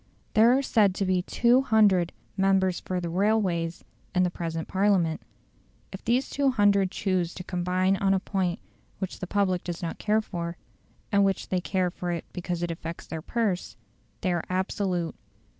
There are said to be 200 "members for the railways" in the present Parliament. If these 200 choose to combine on a point which the public does not care for, and which they care for because it affects their purse, they are absolute.